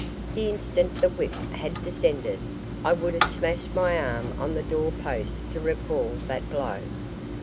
The instant the whip had descended I would have smashed my arm on the door post to recall that blow.